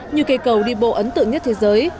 như cây cầu đi bộ ấn tượng nhất thế giới